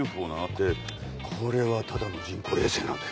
でこれはただの人工衛星なんだよ。